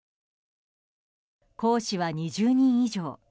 講師は２０人以上。